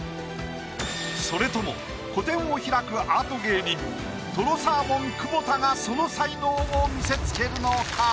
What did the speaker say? それとも個展を開くアート芸人とろサーモン久保田がその才能を見せつけるのか？